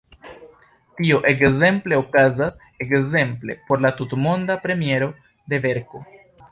Tio ekzemple okazas ekzemple por la tutmonda premiero de verko.